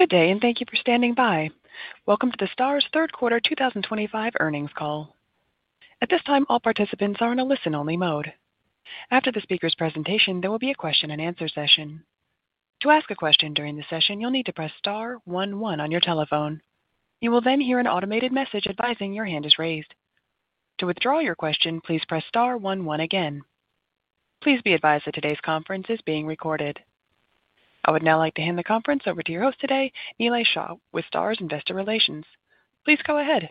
Good day, and thank you for standing by. Welcome to the STARZ third quarter 2025 earnings call. At this time, all participants are in a listen-only mode. After the speaker's presentation, there will be a question-and-answer session. To ask a question during the session, you'll need to press star 1 1 on your telephone. You will then hear an automated message advising your hand is raised. To withdraw your question, please press star 1 1 again. Please be advised that today's conference is being recorded. I would now like to hand the conference over to your host today, Nilay Shah, with STARZ Investor Relations. Please go ahead.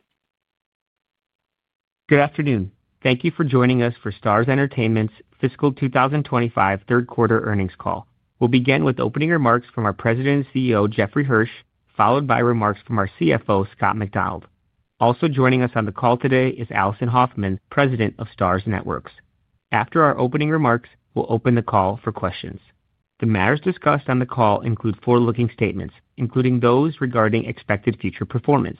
Good afternoon. Thank you for joining us for STARZ Entertianment's fiscal 2025 third quarter earnings call. We'll begin with opening remarks from our President and CEO, Jeffrey Hirsch, followed by remarks from our CFO, Scott Macdonald. Also joining us on the call today is Alison Hoffman, President of STARZ Networks. After our opening remarks, we'll open the call for questions. The matters discussed on the call include forward-looking statements, including those regarding expected future performance.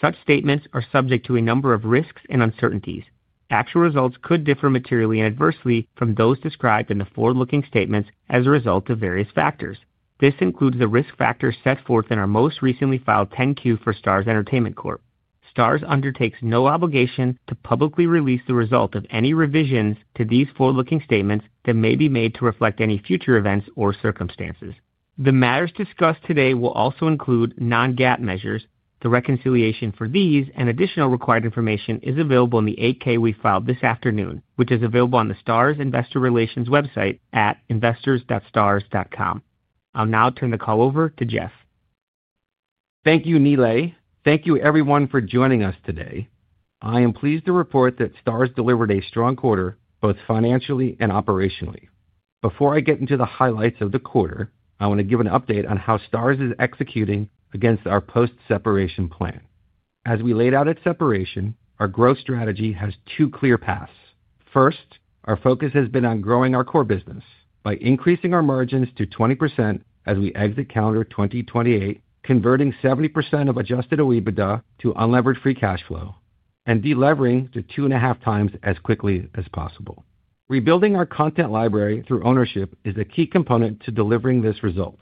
Such statements are subject to a number of risks and uncertainties. Actual results could differ materially and adversely from those described in the forward-looking statements as a result of various factors. This includes the risk factors set forth in our most recently filed 10-Q for STARZ Entertainment Corp. STARZ undertakes no obligation to publicly release the result of any revisions to these forward-looking statements that may be made to reflect any future events or circumstances. The matters discussed today will also include non-GAAP measures. The reconciliation for these and additional required information is available in the 8-K we filed this afternoon, which is available on the STARZ Investor Relations website at investors.starz.com. I'll now turn the call over to Jeff. Thank you, Nilay. Thank you, everyone, for joining us today. I am pleased to report that STARZ delivered a strong quarter, both financially and operationally. Before I get into the highlights of the quarter, I want to give an update on how STARZ is executing against our post-separation plan. As we laid out at separation, our growth strategy has two clear paths. First, our focus has been on growing our core business by increasing our margins to 20% as we exit calendar 2028, converting 70% of adjusted OIBDA to unleveraged free cash flow, and deleveraging to two and a half times as quickly as possible. Rebuilding our content library through ownership is a key component to delivering this result.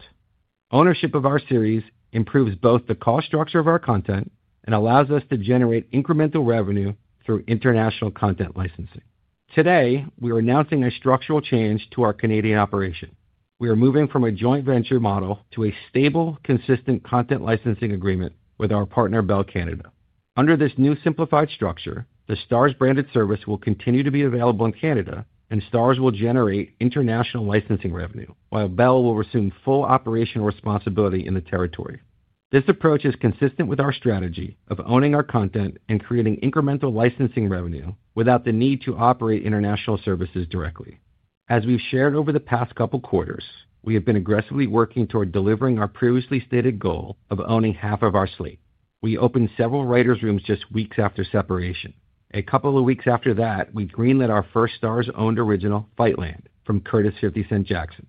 Ownership of our series improves both the cost structure of our content and allows us to generate incremental revenue through international content licensing. Today, we are announcing a structural change to our Canadian operation. We are moving from a joint venture model to a stable, consistent content licensing agreement with our partner, Bell Canada. Under this new simplified structure, the STARZ branded service will continue to be available in Canada, and STARZ will generate international licensing revenue, while Bell will resume full operational responsibility in the territory. This approach is consistent with our strategy of owning our content and creating incremental licensing revenue without the need to operate international services directly. As we've shared over the past couple of quarters, we have been aggressively working toward delivering our previously stated goal of owning half of our slate. We opened several writers' rooms just weeks after separation. A couple of weeks after that, we greenlit our first STARZ-owned original, Fightland, from Curtis 50 Cent Jackson.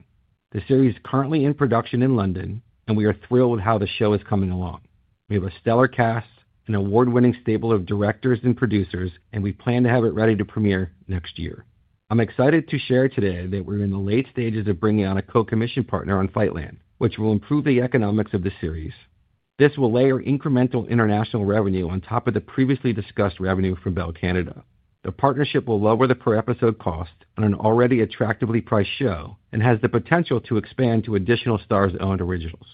The series is currently in production in London, and we are thrilled with how the show is coming along. We have a stellar cast, an award-winning stable of directors and producers, and we plan to have it ready to premiere next year. I'm excited to share today that we're in the late stages of bringing on a co-commission partner on Fightland, which will improve the economics of the series. This will layer incremental international revenue on top of the previously discussed revenue from Bell Canada. The partnership will lower the per-episode cost on an already attractively priced show and has the potential to expand to additional STARZ-owned originals.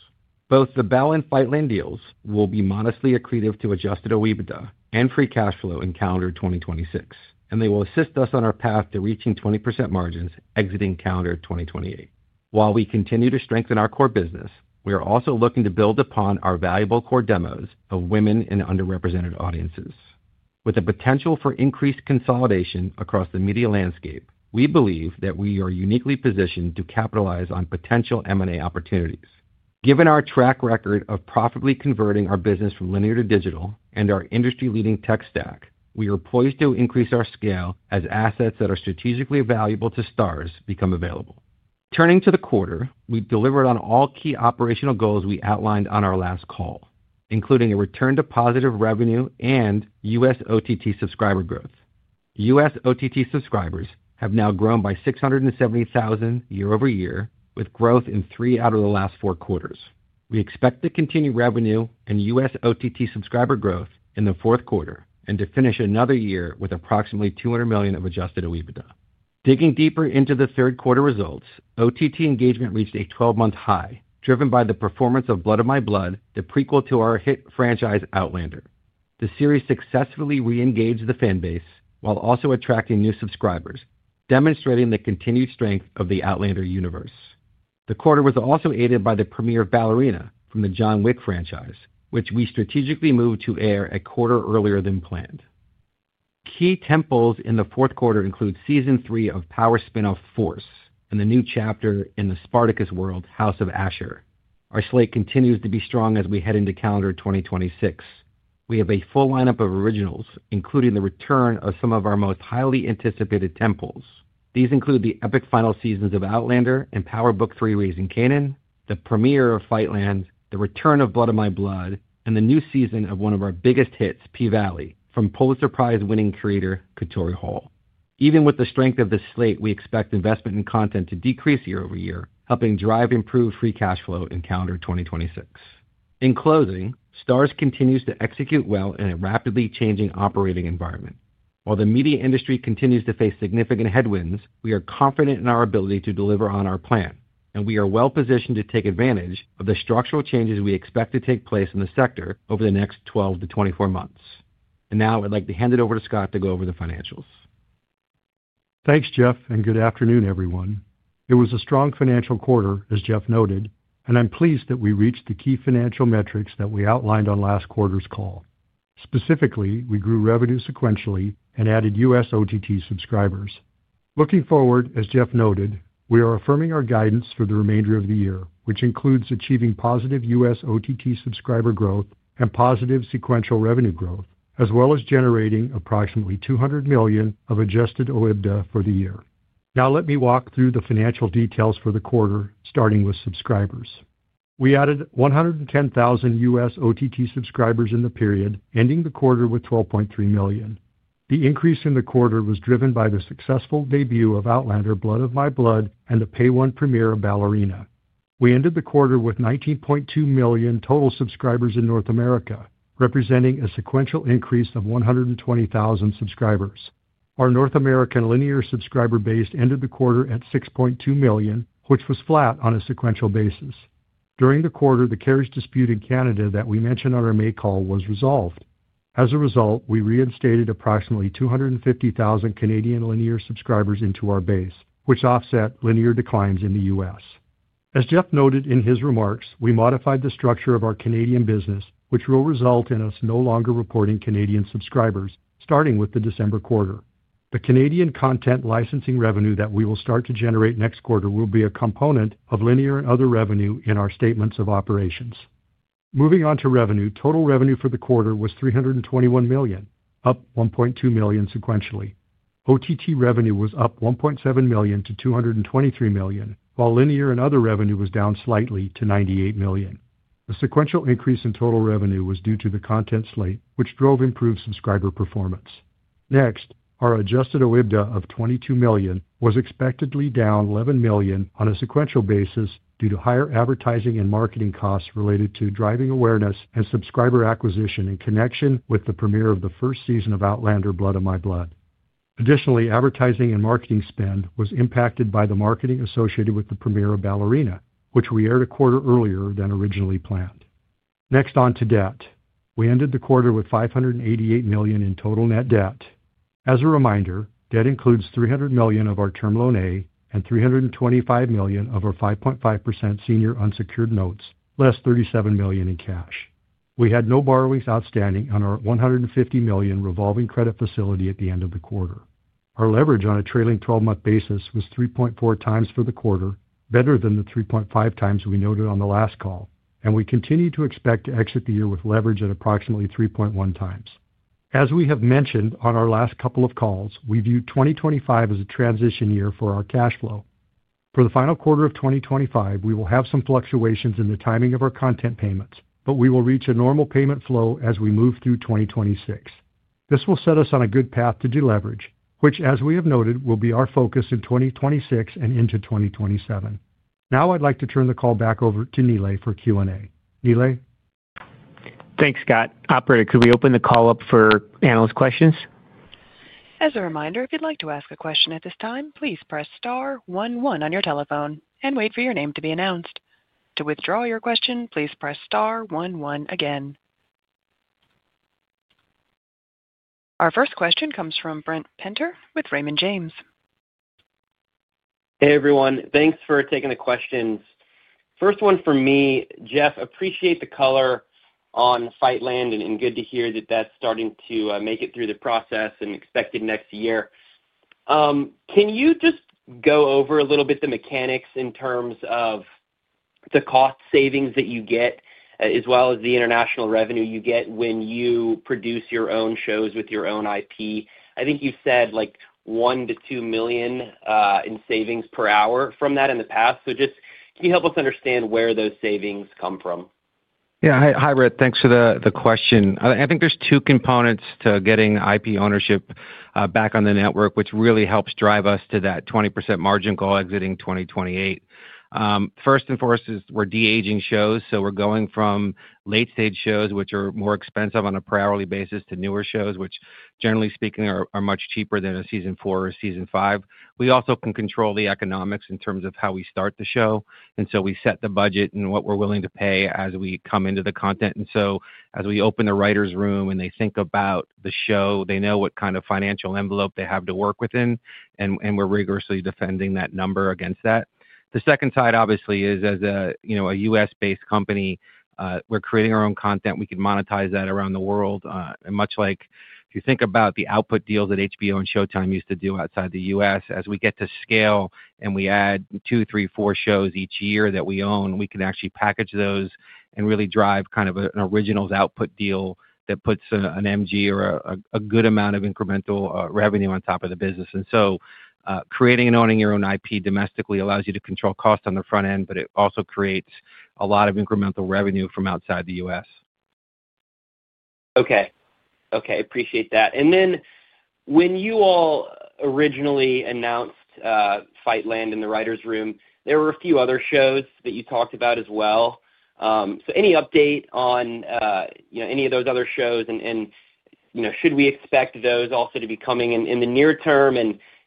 Both the Bell and Fightland deals will be modestly accretive to adjusted OIBDA and free cash flow in calendar 2026, and they will assist us on our path to reaching 20% margins exiting calendar 2028. While we continue to strengthen our core business, we are also looking to build upon our valuable core demos of women and underrepresented audiences. With the potential for increased consolidation across the media landscape, we believe that we are uniquely positioned to capitalize on potential M&A opportunities. Given our track record of profitably converting our business from linear to digital and our industry-leading tech stack, we are poised to increase our scale as assets that are strategically valuable to STARZ become available. Turning to the quarter, we've delivered on all key operational goals we outlined on our last call, including a return to positive revenue and U.S. OTT subscriber growth. U.S. OTT subscribers have now grown by 670,000 year-over-year, with growth in three out of the last four quarters. We expect to continue revenue and U.S. OTT subscriber growth in the fourth quarter and to finish another year with approximately $200 million of adjusted OIBDA. Digging deeper into the third quarter results, OTT engagement reached a 12-month high, driven by the performance of Blood of My Blood, the prequel to our hit franchise Outlander. The series successfully re-engaged the fan base while also attracting new subscribers, demonstrating the continued strength of the Outlander universe. The quarter was also aided by the premiere of Ballerina from the John Wick franchise, which we strategically moved to air a quarter earlier than planned. Key tentpoles in the fourth quarter include season three of Power spin-off Force and the new chapter in the Spartacus world, House of Ashur. Our slate continues to be strong as we head into calendar 2026. We have a full lineup of originals, including the return of some of our most highly anticipated tentpoles. These include the epic final seasons of Outlander and Power Book III: Raising Kanan, the premiere of Fightland, the return of Blood of My Blood, and the new season of one of our biggest hits, P-Valley, from Pulitzer Prize-winning creator Katori Hall. Even with the strength of the slate, we expect investment in content to decrease year-over-year, helping drive improved free cash flow in calendar 2026. In closing, STARZ continues to execute well in a rapidly changing operating environment. While the media industry continues to face significant headwinds, we are confident in our ability to deliver on our plan, and we are well positioned to take advantage of the structural changes we expect to take place in the sector over the next 12-24 months. I would like to hand it over to Scott to go over the financials. Thanks, Jeff, and good afternoon, everyone. It was a strong financial quarter, as Jeff noted, and I'm pleased that we reached the key financial metrics that we outlined on last quarter's call. Specifically, we grew revenue sequentially and added U.S. OTT subscribers. Looking forward, as Jeff noted, we are affirming our guidance for the remainder of the year, which includes achieving positive U.S. OTT subscriber growth and positive sequential revenue growth, as well as generating approximately $200 million of adjusted OIBDA for the year. Now let me walk through the financial details for the quarter, starting with subscribers. We added 110,000 U.S. OTT subscribers in the period, ending the quarter with 12.3 million. The increase in the quarter was driven by the successful debut of Outlander, Blood of My Blood, and the pay-one premiere of Ballerina. We ended the quarter with 19.2 million total subscribers in North America, representing a sequential increase of 120,000 subscribers. Our North American linear subscriber base ended the quarter at 6.2 million, which was flat on a sequential basis. During the quarter, the carriage dispute in Canada that we mentioned on our May call was resolved. As a result, we reinstated approximately 250,000 Canadian linear subscribers into our base, which offset linear declines in the U.S. As Jeff noted in his remarks, we modified the structure of our Canadian business, which will result in us no longer reporting Canadian subscribers starting with the December quarter. The Canadian content licensing revenue that we will start to generate next quarter will be a component of linear and other revenue in our statements of operations. Moving on to revenue, total revenue for the quarter was $321 million, up $1.2 million sequentially. OTT revenue was up $1.7 million-$223 million, while linear and other revenue was down slightly to $98 million. The sequential increase in total revenue was due to the content slate, which drove improved subscriber performance. Next, our adjusted OIBDA of $22 million was expectedly down $11 million on a sequential basis due to higher advertising and marketing costs related to driving awareness and subscriber acquisition in connection with the premiere of the first season of Outlander, Blood of My Blood. Additionally, advertising and marketing spend was impacted by the marketing associated with the premiere of Ballerina, which we aired a quarter earlier than originally planned. Next on to debt, we ended the quarter with $588 million in total net debt. As a reminder, debt includes $300 million of our term loan A and $325 million of our 5.5% senior unsecured notes, less $37 million in cash. We had no borrowings outstanding on our $150 million revolving credit facility at the end of the quarter. Our leverage on a trailing 12-month basis was 3.4 times for the quarter, better than the 3.5 times we noted on the last call, and we continue to expect to exit the year with leverage at approximately 3.1 times. As we have mentioned on our last couple of calls, we view 2025 as a transition year for our cash flow. For the final quarter of 2025, we will have some fluctuations in the timing of our content payments, but we will reach a normal payment flow as we move through 2026. This will set us on a good path to deleverage, which, as we have noted, will be our focus in 2026 and into 2027. Now I'd like to turn the call back over to Nilay for Q&A. Nilay. Thanks, Scott. Operator, could we open the call up for analyst questions? As a reminder, if you'd like to ask a question at this time, please press star 11 on your telephone and wait for your name to be announced. To withdraw your question, please press star 11 again. Our first question comes from Brent Penter with Raymond James. Hey, everyone. Thanks for taking the questions. First one for me, Jeff, appreciate the color on Fightland and good to hear that that's starting to make it through the process and expected next year. Can you just go over a little bit the mechanics in terms of the cost savings that you get, as well as the international revenue you get when you produce your own shows with your own IP? I think you said like $1 million-$2 million in savings per hour from that in the past. Can you help us understand where those savings come from? Yeah, hi, Brent. Thanks for the question. I think there's two components to getting IP ownership back on the network, which really helps drive us to that 20% margin goal exiting 2028. First and foremost is we're de-aging shows, so we're going from late-stage shows, which are more expensive on a per-hourly basis, to newer shows, which, generally speaking, are much cheaper than a season four or season five. We also can control the economics in terms of how we start the show, and so we set the budget and what we're willing to pay as we come into the content. As we open the writer's room and they think about the show, they know what kind of financial envelope they have to work within, and we're rigorously defending that number against that. The second side, obviously, is as a U.S.-based company, we're creating our own content. We can monetize that around the world. Much like if you think about the output deals that HBO and Showtime used to do outside the U.S., as we get to scale and we add two, three, four shows each year that we own, we can actually package those and really drive kind of an originals output deal that puts an MG or a good amount of incremental revenue on top of the business. Creating and owning your own IP domestically allows you to control costs on the front end, but it also creates a lot of incremental revenue from outside the U.S. Okay. Okay, appreciate that. When you all originally announced Fightland in the writer's room, there were a few other shows that you talked about as well. Any update on any of those other shows? Should we expect those also to be coming in the near term,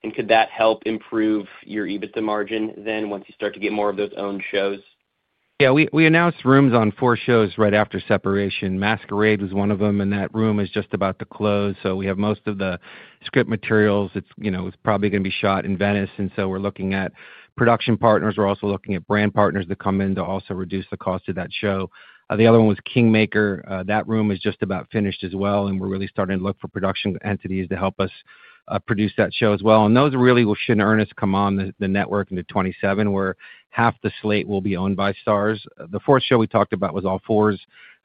and could that help improve your EBITDA margin then once you start to get more of those owned shows? Yeah, we announced rooms on four shows right after separation. Masquerade was one of them, and that room is just about to close. We have most of the script materials. It's probably going to be shot in Venice, and we are looking at production partners. We are also looking at brand partners that come in to also reduce the cost of that show. The other one was Kingmaker. That room is just about finished as well, and we are really starting to look for production entities to help us produce that show as well. Those really should not earn us to come on the network into 2027, where half the slate will be owned by STARZ. The fourth show we talked about was All Fours.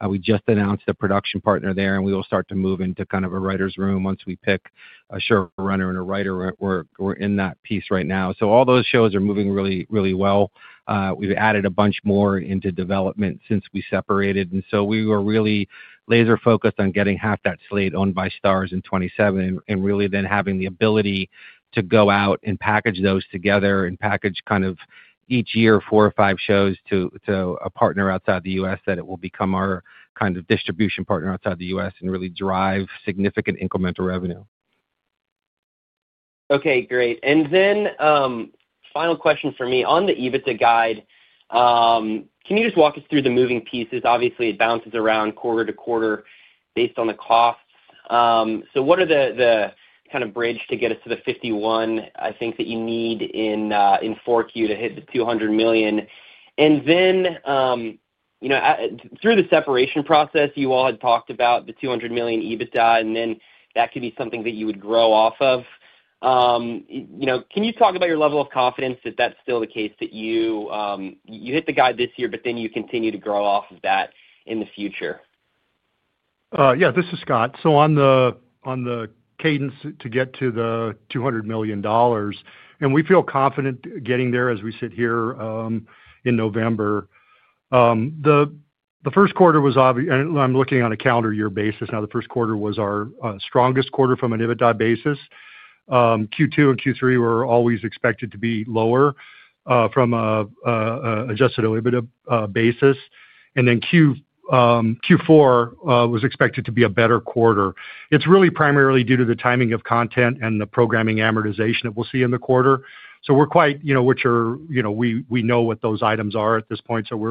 We just announced a production partner there, and we will start to move into kind of a writer's room once we pick a showrunner and a writer. We're in that piece right now. All those shows are moving really, really well. We've added a bunch more into development since we separated, and we were really laser-focused on getting half that slate owned by STARZ in 2027 and really then having the ability to go out and package those together and package kind of each year four or five shows to a partner outside the U.S. that it will become our kind of distribution partner outside the U.S. and really drive significant incremental revenue. Okay, great. Final question for me on the EBITDA guide. Can you just walk us through the moving pieces? Obviously, it bounces around quarter to quarter based on the costs. What are the kind of bridge to get us to the $51, I think, that you need in Q4 to hit the $200 million? Through the separation process, you all had talked about the $200 million EBITDA, and that could be something that you would grow off of. Can you talk about your level of confidence that that's still the case, that you hit the guide this year, but then you continue to grow off of that in the future? Yeah, this is Scott. On the cadence to get to the $200 million, we feel confident getting there as we sit here in November. The first quarter was, and I'm looking on a calendar year basis now, the first quarter was our strongest quarter from an OIBDA basis. Q2 and Q3 were always expected to be lower from an adjusted OIBDA basis, and then Q4 was expected to be a better quarter. It is really primarily due to the timing of content and the programming amortization that we will see in the quarter. We know what those items are at this point, so we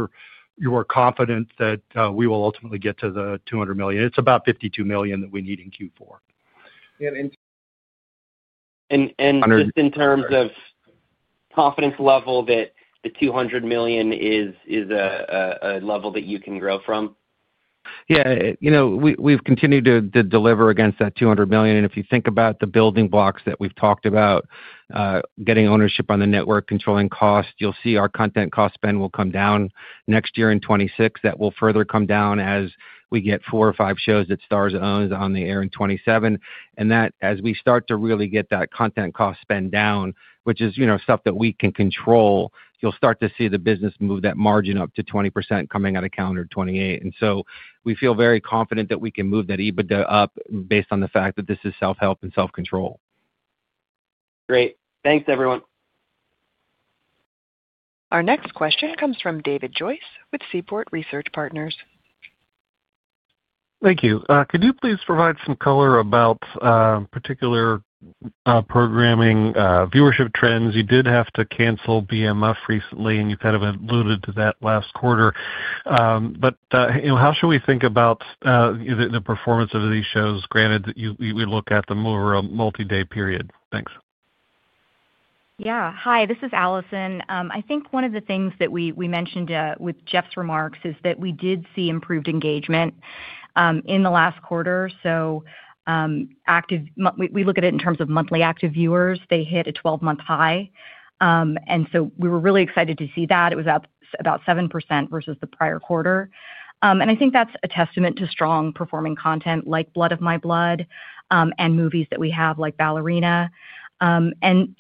are confident that we will ultimately get to the $200 million. It is about $52 million that we need in Q4. Just in terms of confidence level, that the $200 million is a level that you can grow from? Yeah, we've continued to deliver against that $200 million. If you think about the building blocks that we've talked about, getting ownership on the network, controlling costs, you'll see our content cost spend will come down next year in 2026. That will further come down as we get four or five shows that STARZ owns on the air in 2027. As we start to really get that content cost spend down, which is stuff that we can control, you'll start to see the business move that margin up to 20% coming out of calendar 2028. We feel very confident that we can move that EBITDA up based on the fact that this is self-help and self-control. Great. Thanks, everyone. Our next question comes from David Joyce with Seaport Research Partners. Thank you. Could you please provide some color about particular programming viewership trends? You did have to cancel BMF recently, and you kind of alluded to that last quarter. How should we think about the performance of these shows, granted that we look at them over a multi-day period? Thanks. Yeah. Hi, this is Alison. I think one of the things that we mentioned with Jeff's remarks is that we did see improved engagement in the last quarter. We look at it in terms of monthly active viewers. They hit a 12-month high. We were really excited to see that. It was up about 7% versus the prior quarter. I think that's a testament to strong performing content like Blood of My Blood and movies that we have like Ballerina. I think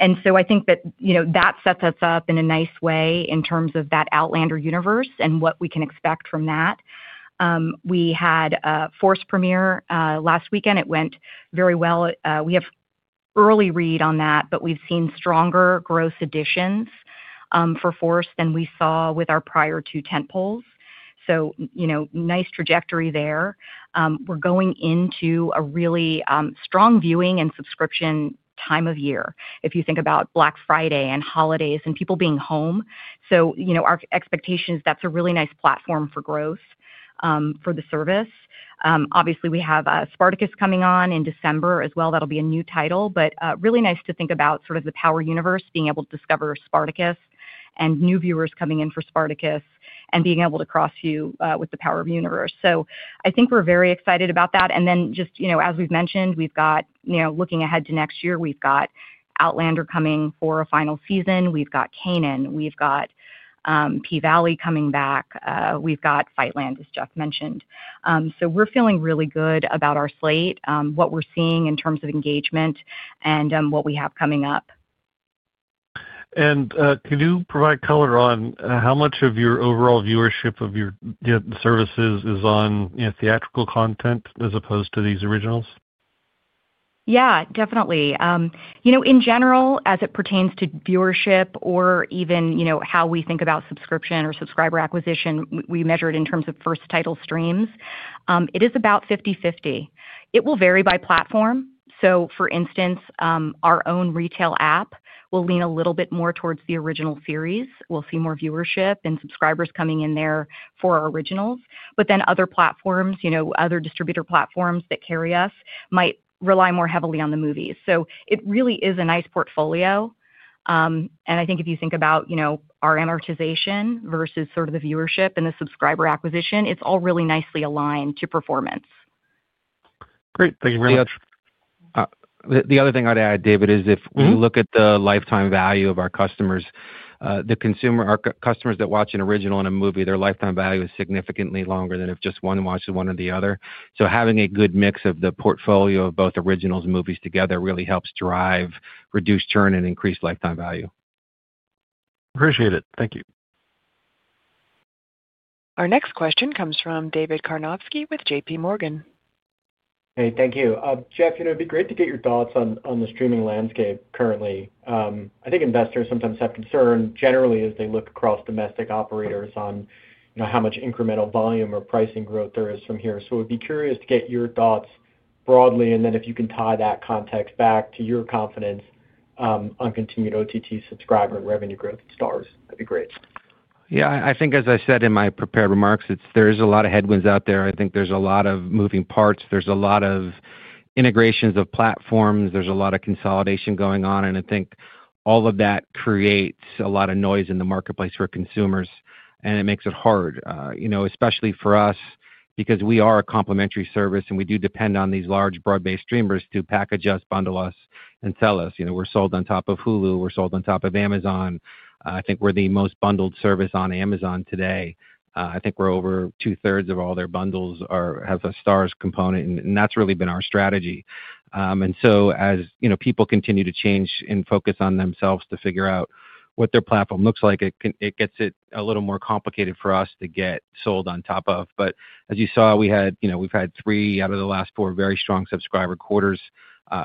that sets us up in a nice way in terms of that Outlander universe and what we can expect from that. We had Force premiere last weekend. It went very well. We have early read on that, but we've seen stronger gross additions for Force than we saw with our prior two tentpoles. Nice trajectory there. We're going into a really strong viewing and subscription time of year, if you think about Black Friday and holidays and people being home. Our expectation is that's a really nice platform for growth for the service. Obviously, we have Spartacus coming on in December as well. That'll be a new title, but really nice to think about sort of the Power universe, being able to discover Spartacus and new viewers coming in for Spartacus and being able to cross view with the Power universe. I think we're very excited about that. Just as we've mentioned, looking ahead to next year, we've got Outlander coming for a final season. We've got Kanan. We've got P-Valley coming back. We've got Fightland, as Jeff mentioned. We're feeling really good about our slate, what we're seeing in terms of engagement, and what we have coming up. Could you provide color on how much of your overall viewership of your services is on theatrical content as opposed to these originals? Yeah, definitely. In general, as it pertains to viewership or even how we think about subscription or subscriber acquisition, we measure it in terms of first title streams. It is about 50/50. It will vary by platform. For instance, our own retail app will lean a little bit more towards the original series. We'll see more viewership and subscribers coming in there for our originals. Other platforms, other distributor platforms that carry us might rely more heavily on the movies. It really is a nice portfolio. I think if you think about our amortization versus sort of the viewership and the subscriber acquisition, it's all really nicely aligned to performance. Great. Thank you very much. The other thing I'd add, David, is if we look at the lifetime value of our customers, the consumer, our customers that watch an original and a movie, their lifetime value is significantly longer than if just one watches one or the other. Having a good mix of the portfolio of both originals and movies together really helps drive reduced churn and increased lifetime value. Appreciate it. Thank you. Our next question comes from David Karnovsky with JPMorgan. Hey, thank you. Jeff, it'd be great to get your thoughts on the streaming landscape currently. I think investors sometimes have concern generally as they look across domestic operators on how much incremental volume or pricing growth there is from here. We'd be curious to get your thoughts broadly, and then if you can tie that context back to your confidence on continued OTT subscriber and revenue growth at STARZ, that'd be great. Yeah, I think, as I said in my prepared remarks, there is a lot of headwinds out there. I think there's a lot of moving parts. There's a lot of integrations of platforms. There's a lot of consolidation going on. I think all of that creates a lot of noise in the marketplace for consumers, and it makes it hard, especially for us, because we are a complementary service, and we do depend on these large broad-based streamers to package us, bundle us, and sell us. We're sold on top of Hulu. We're sold on top of Amazon. I think we're the most bundled service on Amazon today. I think over two-thirds of all their bundles have a STARZ component, and that's really been our strategy. As people continue to change and focus on themselves to figure out what their platform looks like, it gets a little more complicated for us to get sold on top of. We have had three out of the last four very strong subscriber quarters.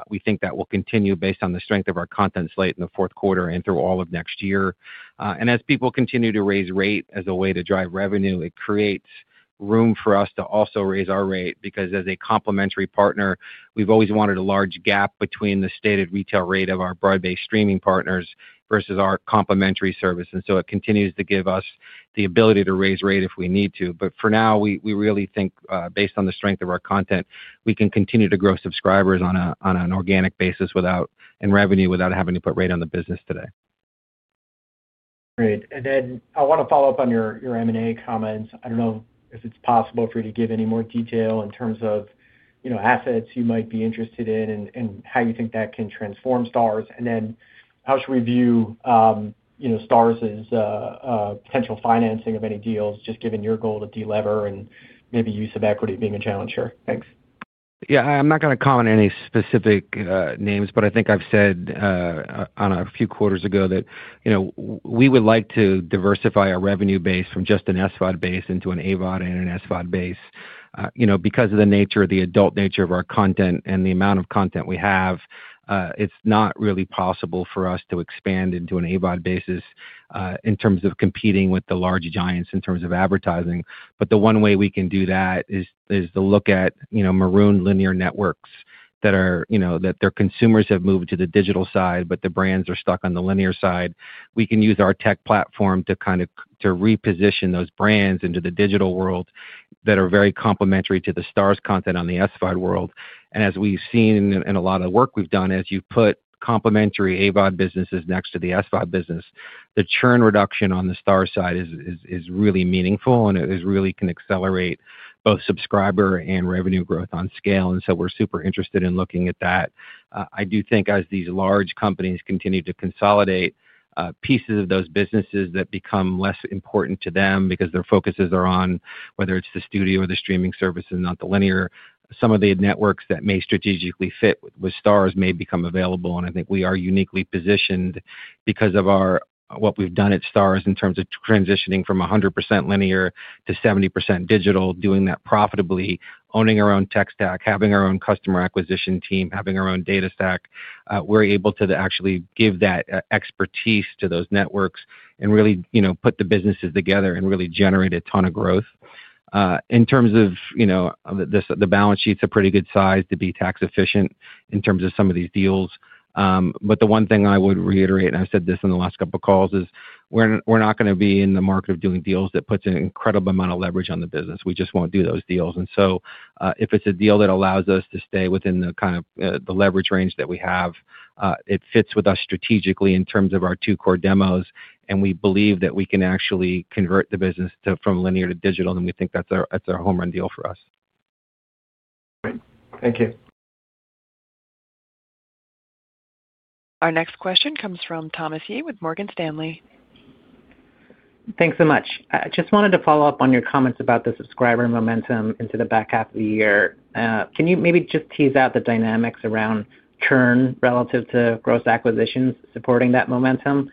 We think that will continue based on the strength of our content slate in the fourth quarter and through all of next year. As people continue to raise rate as a way to drive revenue, it creates room for us to also raise our rate because as a complimentary partner, we have always wanted a large gap between the stated retail rate of our broad-based streaming partners versus our complimentary service. It continues to give us the ability to raise rate if we need to. For now, we really think based on the strength of our content, we can continue to grow subscribers on an organic basis and revenue without having to put rate on the business today. Great. I want to follow up on your M&A comments. I do not know if it is possible for you to give any more detail in terms of assets you might be interested in and how you think that can transform STARZ. How should we view STARZ potential financing of any deals, just given your goal to delever and maybe use of equity being a challenge? Sure. Thanks. Yeah, I'm not going to comment on any specific names, but I think I've said on a few quarters ago that we would like to diversify our revenue base from just an SVOD base into an AVOD and an SVOD base. Because of the nature, the adult nature of our content and the amount of content we have, it's not really possible for us to expand into an AVOD basis in terms of competing with the large giants in terms of advertising. The one way we can do that is to look at maroon linear networks that their consumers have moved to the digital side, but the brands are stuck on the linear side. We can use our tech platform to kind of reposition those brands into the digital world that are very complimentary to the STARZ content on the SVOD world. As we have seen in a lot of the work we have done, as you put complimentary AVOD businesses next to the SVOD business, the churn reduction on the STARZ side is really meaningful, and it really can accelerate both subscriber and revenue growth on scale. We are super interested in looking at that. I do think as these large companies continue to consolidate pieces of those businesses that become less important to them because their focuses are on whether it is the studio or the streaming services, not the linear, some of the networks that may strategically fit with STARZ may become available. I think we are uniquely positioned because of what we have done at STARZ in terms of transitioning from 100% linear to 70% digital, doing that profitably, owning our own tech stack, having our own customer acquisition team, having our own data stack. We're able to actually give that expertise to those networks and really put the businesses together and really generate a ton of growth. In terms of the balance sheets, a pretty good size to be tax efficient in terms of some of these deals. The one thing I would reiterate, and I've said this in the last couple of calls, is we're not going to be in the market of doing deals that put an incredible amount of leverage on the business. We just won't do those deals. If it's a deal that allows us to stay within the kind of the leverage range that we have, it fits with us strategically in terms of our two core demos. We believe that we can actually convert the business from linear to digital, and we think that's a home run deal for us. Great. Thank you. Our next question comes from Thomas Yeh with Morgan Stanley. Thanks so much. I just wanted to follow up on your comments about the subscriber momentum into the back half of the year. Can you maybe just tease out the dynamics around churn relative to gross acquisitions supporting that momentum?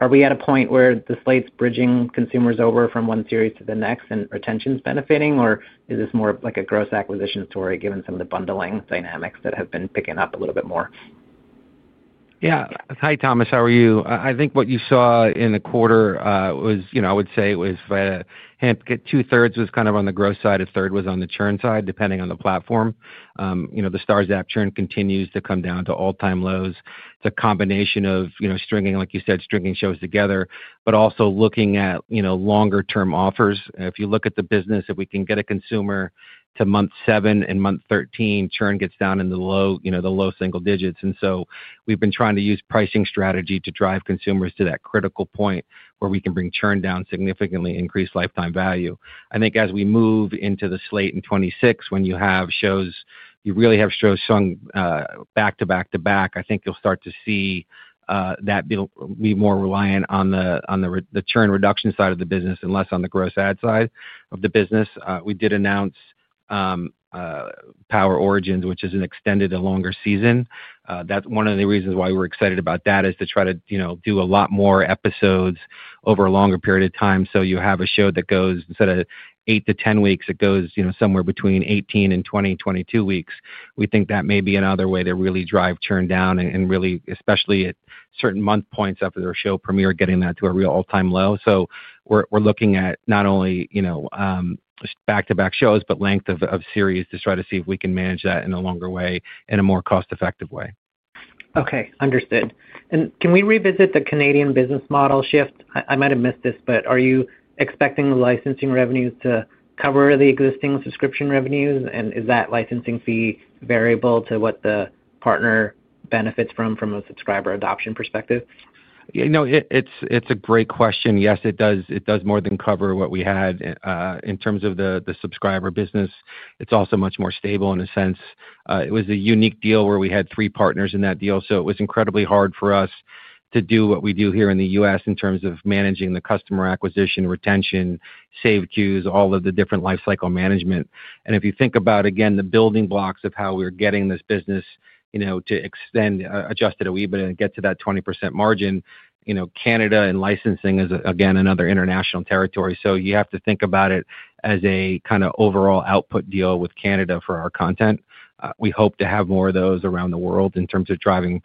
Are we at a point where the slate's bridging consumers over from one series to the next and retention's benefiting, or is this more of a gross acquisition story given some of the bundling dynamics that have been picking up a little bit more? Yeah. Hi, Thomas. How are you? I think what you saw in the quarter was, I would say it was two-thirds was kind of on the gross side, a third was on the churn side, depending on the platform. The STARZ app churn continues to come down to all-time lows. It's a combination of, like you said, stringing shows together, but also looking at longer-term offers. If you look at the business, if we can get a consumer to month seven and month thirteen, churn gets down in the low single digits. And so we've been trying to use pricing strategy to drive consumers to that critical point where we can bring churn down significantly, increase lifetime value. I think as we move into the slate in 2026, when you have shows, you really have shows sung back to back to back, I think you'll start to see that be more reliant on the churn reduction side of the business and less on the gross ad side of the business. We did announce Power Origins, which is an extended and longer season. That's one of the reasons why we're excited about that, is to try to do a lot more episodes over a longer period of time. You have a show that goes, instead of eight to ten weeks, it goes somewhere between eighteen and twenty and twenty-two weeks. We think that may be another way to really drive churn down and really, especially at certain month points after their show premiere, getting that to a real all-time low. We're looking at not only back-to-back shows, but length of series to try to see if we can manage that in a longer way in a more cost-effective way. Okay. Understood. Can we revisit the Canadian business model shift? I might have missed this, but are you expecting the licensing revenues to cover the existing subscription revenues? Is that licensing fee variable to what the partner benefits from from a subscriber adoption perspective? It's a great question. Yes, it does more than cover what we had. In terms of the subscriber business, it's also much more stable in a sense. It was a unique deal where we had three partners in that deal. It was incredibly hard for us to do what we do here in the U.S. in terms of managing the customer acquisition, retention, save queues, all of the different lifecycle management. If you think about, again, the building blocks of how we're getting this business to extend, adjusted OIBDA, and get to that 20% margin, Canada and licensing is, again, another international territory. You have to think about it as a kind of overall output deal with Canada for our content. We hope to have more of those around the world in terms of driving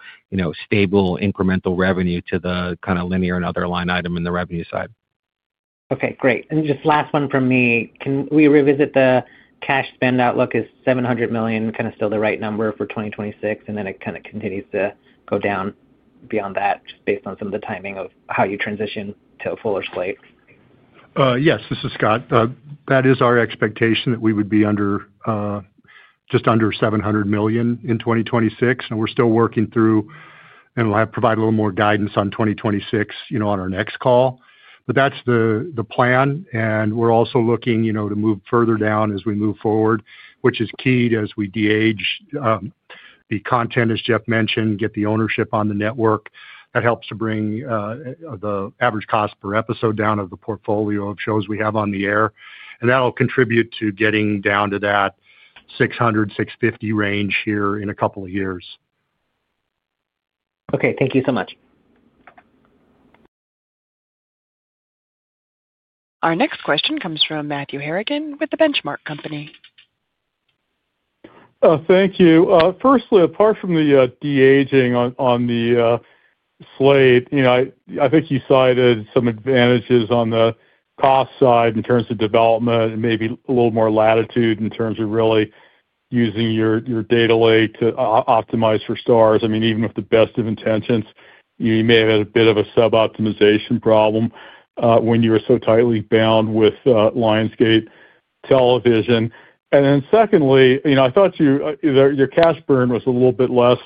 stable incremental revenue to the kind of linear and other line item in the revenue side. Okay. Great. Just last one from me. Can we revisit the cash spend outlook as $700 million kind of still the right number for 2026, and then it kind of continues to go down beyond that just based on some of the timing of how you transition to a fuller slate? Yes, this is Scott. That is our expectation that we would be just under $700 million in 2026. We're still working through, and I'll provide a little more guidance on 2026 on our next call. That's the plan. We're also looking to move further down as we move forward, which is key as we de-age the content, as Jeff mentioned, get the ownership on the network. That helps to bring the average cost per episode down of the portfolio of shows we have on the air. That'll contribute to getting down to that $600-$650 range here in a couple of years. Okay. Thank you so much. Our next question comes from Matthew Harrigan with The Benchmark Company. Thank you. Firstly, apart from the de-aging on the slate, I think you cited some advantages on the cost side in terms of development and maybe a little more latitude in terms of really using your data lake to optimize for STARZ. I mean, even with the best of intentions, you may have had a bit of a sub-optimization problem when you were so tightly bound with Lionsgate Television. Secondly, I thought your cash burn was a little bit less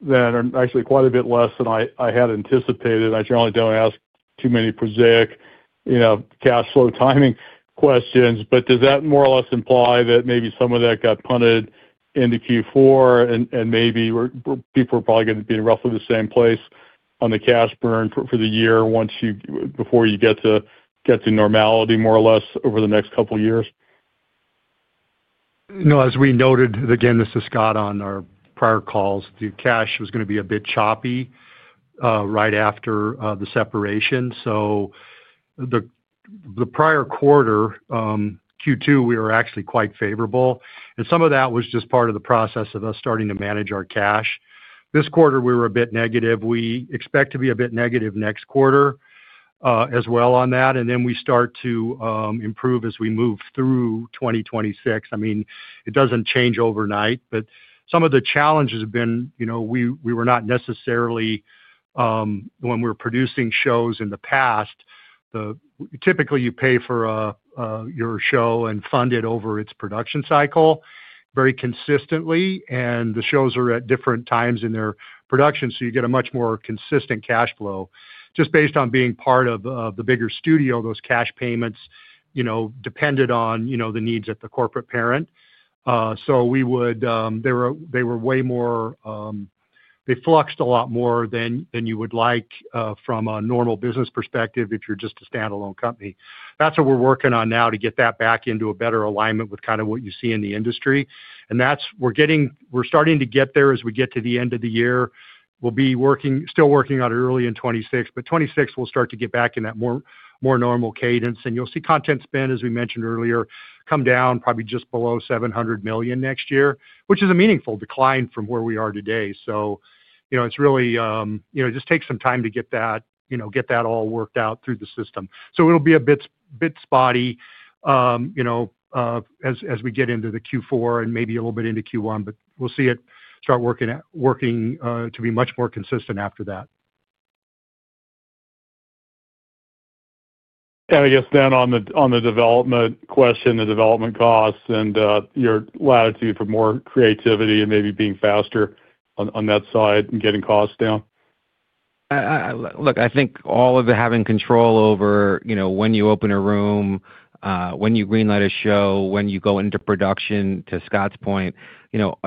than, or actually quite a bit less than I had anticipated. I generally don't ask too many prosaic cash flow timing questions, but does that more or less imply that maybe some of that got punted into Q4 and maybe people are probably going to be in roughly the same place on the cash burn for the year before you get to normality more or less over the next couple of years? No, as we noted, again, this is Scott on our prior calls, the cash was going to be a bit choppy right after the separation. The prior quarter, Q2, we were actually quite favorable. Some of that was just part of the process of us starting to manage our cash. This quarter, we were a bit negative. We expect to be a bit negative next quarter as well on that. We start to improve as we move through 2026. I mean, it doesn't change overnight, but some of the challenges have been we were not necessarily, when we were producing shows in the past, typically you pay for your show and fund it over its production cycle very consistently. The shows are at different times in their production, so you get a much more consistent cash flow. Just based on being part of the bigger studio, those cash payments depended on the needs of the corporate parent. They fluctuated a lot more than you would like from a normal business perspective if you're just a standalone company. That's what we're working on now to get that back into a better alignment with kind of what you see in the industry. We're starting to get there as we get to the end of the year. We'll be still working on early in 2026, but 2026, we'll start to get back in that more normal cadence. You'll see content spend, as we mentioned earlier, come down probably just below $700 million next year, which is a meaningful decline from where we are today. It really just takes some time to get that all worked out through the system. It'll be a bit spotty as we get into Q4 and maybe a little bit into Q1, but we'll see it start working to be much more consistent after that. I guess then on the development question, the development costs and your latitude for more creativity and maybe being faster on that side and getting costs down? Look, I think all of having control over when you open a room, when you greenlight a show, when you go into production, to Scott's point,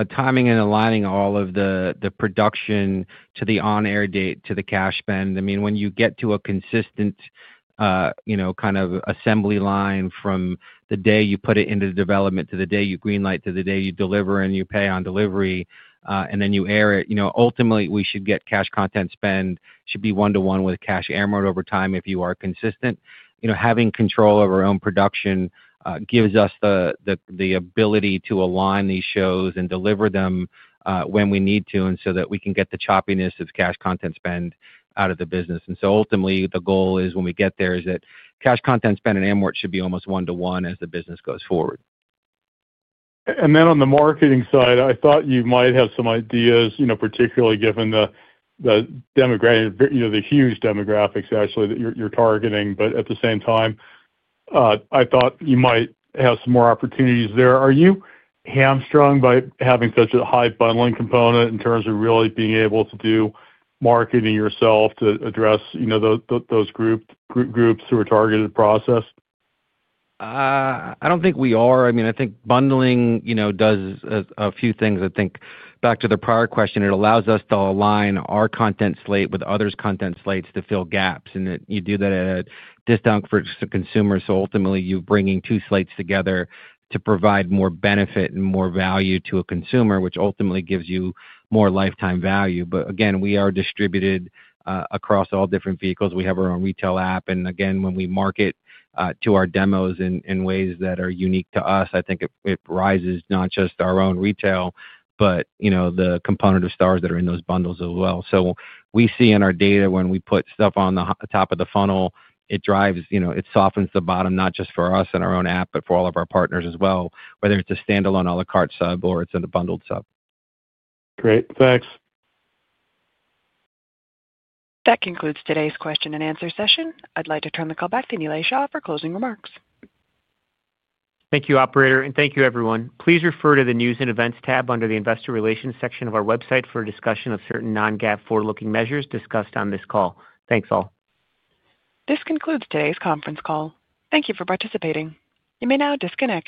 timing and aligning all of the production to the on-air date, to the cash spend. I mean, when you get to a consistent kind of assembly line from the day you put it into development to the day you greenlight, to the day you deliver and you pay on delivery, and then you air it, ultimately, we should get cash content spend should be one-to-one with cash air mode over time if you are consistent. Having control of our own production gives us the ability to align these shows and deliver them when we need to and so that we can get the choppiness of cash content spend out of the business. Ultimately, the goal is when we get there is that cash content spend and air mode should be almost one-to-one as the business goes forward. On the marketing side, I thought you might have some ideas, particularly given the huge demographics actually that you're targeting. At the same time, I thought you might have some more opportunities there. Are you hamstrung by having such a high bundling component in terms of really being able to do marketing yourself to address those groups through a targeted process? I don't think we are. I mean, I think bundling does a few things. I think back to the prior question, it allows us to align our content slate with others' content slates to fill gaps. You do that at a discount for consumers. Ultimately, you're bringing two slates together to provide more benefit and more value to a consumer, which ultimately gives you more lifetime value. Again, we are distributed across all different vehicles. We have our own retail app. Again, when we market to our demos in ways that are unique to us, I think it rises not just our own retail, but the component of STARZ that are in those bundles as well. We see in our data when we put stuff on the top of the funnel, it drives, it softens the bottom, not just for us and our own app, but for all of our partners as well, whether it's a standalone à la carte sub or it's in a bundled sub. Great. Thanks. That concludes today's question and answer session. I'd like to turn the call back to Nilay Shah for closing remarks. Thank you, operator. Thank you, everyone. Please refer to the News and Events tab under the Investor Relations section of our website for a discussion of certain non-GAAP forward-looking measures discussed on this call. Thanks, all. This concludes today's conference call. Thank you for participating. You may now disconnect.